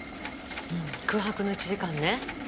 うん空白の１時間ね。